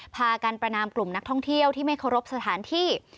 พากันประนามกลุ่มนักท่องเที่ยวที่ไม่เคารพสถานที่